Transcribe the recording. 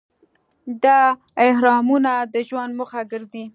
دا اهرامونه د ژوند موخه ګرځي.